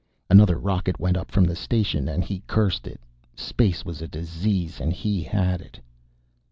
Another rocket went up from the station, and he cursed it. Space was a disease, and he had it.